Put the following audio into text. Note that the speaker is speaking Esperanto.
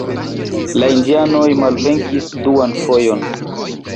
La indianoj malvenkis duan fojon.